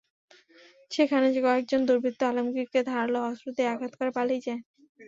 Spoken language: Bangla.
সেখানে কয়েকজন দুর্বৃত্ত আলমগীরকে ধারালো অস্ত্র দিয়ে আঘাত করে পালিয়ে যান।